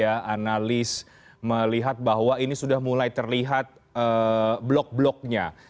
analis melihat bahwa ini sudah mulai terlihat blok bloknya